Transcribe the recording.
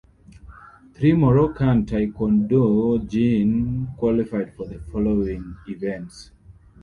Three Moroccan taekwondo jin qualified for the following events.